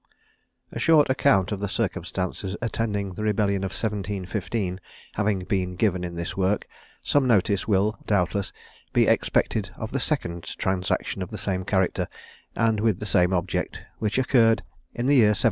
A short account of the circumstances attending the rebellion of 1715 having been given in this work, some notice will, doubtless, be expected of the second transaction of the same character, and with the same object, which occurred in the year 1745.